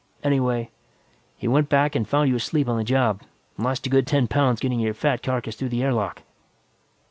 Anyway, he went back and found you asleep on the job, and lost a good ten pounds getting your fat carcass through the air lock."